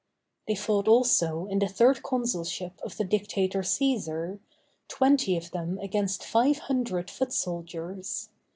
They fought also in the third consulship of the Dictator Cæsar, twenty of them against five hundred foot soldiers.